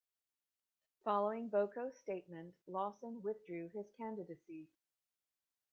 Following Boko's statement, Lawson withdrew his candidacy.